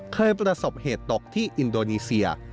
เคยประสบเหตุตกที่อินโดนีเซีย